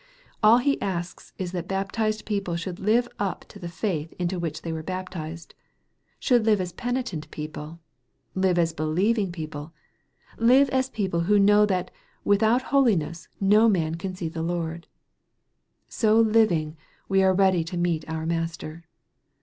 All He asks is that baptized people should live up to the faith into which they were baptized should live as penitent people ive as believing people live as people who know that '' without holiness no man can see the Lord/' So living, ve are ready to meet our Master.